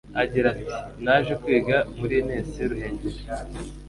Agira ati Naje kwiga muri INES-Ruhengeri